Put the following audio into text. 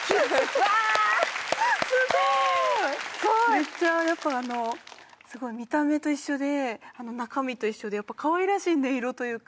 めっちゃやっぱ見た目と一緒で中身と一緒でかわいらしい音色というか。